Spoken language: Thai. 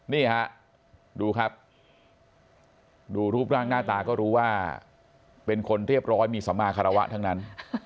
นี่ฮะดูครับดูรูปร่างหน้าตาก็รู้ว่าเป็นคนเรียบร้อยมีสมาคารวะทั้งนั้น